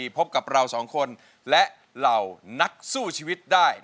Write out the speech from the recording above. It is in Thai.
พบกับเราสองคนและเหล่านักสู้ชีวิตได้